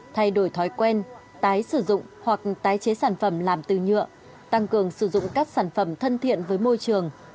thay đổi thói quen tái sử dụng hoặc tái chế sản phẩm làm từ nhựa tăng cường sử dụng các sản phẩm thân thiện với môi trường